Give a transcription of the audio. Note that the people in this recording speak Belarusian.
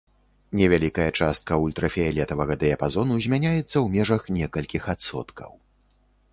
Невялікая частка ультрафіялетавага дыяпазону змяняецца ў межах некалькіх адсоткаў.